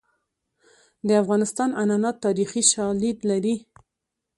د افغانستان عنعنات تاریخي شالید لري.